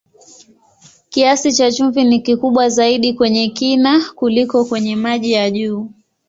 Kiasi cha chumvi ni kikubwa zaidi kwenye kina kuliko kwenye maji ya juu.